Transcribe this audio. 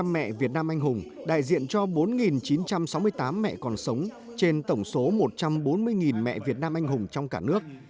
năm mẹ việt nam anh hùng đại diện cho bốn chín trăm sáu mươi tám mẹ còn sống trên tổng số một trăm bốn mươi mẹ việt nam anh hùng trong cả nước